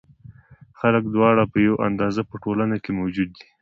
ځکه دواړه په یوه اندازه په ټولنه کې موجود دي.